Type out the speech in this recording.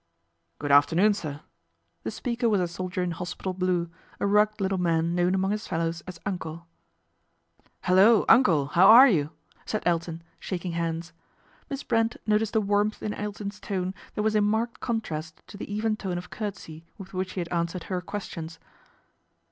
" Good afternoon, sir." The speaker was a soldier in hospital blue, a rugged little man known among his fellows as " Uncle." U" Hullo ! Uncle, how are you ?" said Elton, aking hands. Miss Brent noticed a warmth in Elton's tone that was in marked contrast to the even tone of urtesy with which he had answered her ques tions.